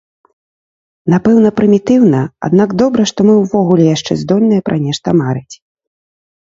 Напэўна, прымітыўна, аднак добра, што мы ўвогуле яшчэ здольныя пра нешта марыць.